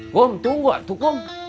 kum itu enggak tukum